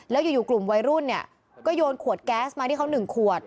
แล้วอยู่กลุ่มวัยรุ่นเนี่ยก็โยนขวดแก๊สมาที่เขา๑ขวด